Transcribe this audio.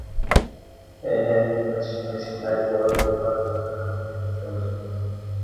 She has since been serving on the Committee on Labor and Social Affairs.